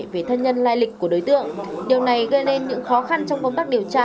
về thân nhân lai lịch của đối tượng điều này gây nên những khó khăn trong công tác điều tra